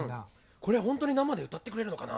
これは本当に生で歌ってくれるのかな？